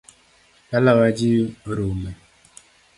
Dalawa ji orume